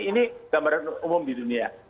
ini gambaran umum di dunia